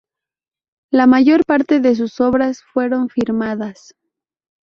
La mayor parte de sus obras fueron firmadas.